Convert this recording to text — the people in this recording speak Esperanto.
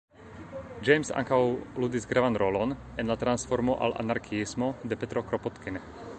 James ankaŭ ludis gravan rolon en la transformo al anarkiismo de Petro Kropotkin.